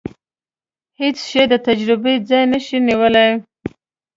هیڅ شی د تجربې ځای نشي نیولای.